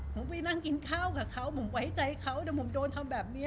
ผมไปนั่งกินข้าวกับเขาผมไว้ใจเขาเดี๋ยวผมโดนทำแบบนี้